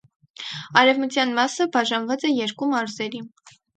Արևմտյան մասը բաժանված է երկու մարզերի։